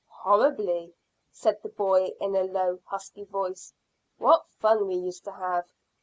"Horribly," said the boy in a low, husky voice. "What fun we used to have!"